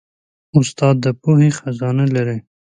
استاد د پوهې خزانه لري.